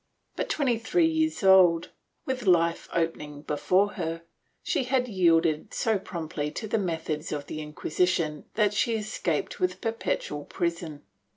But twenty three years old, with Ufe opening before her, she had yielded so promptly to the methods of the Inquisition that she escaped with perpetual prison.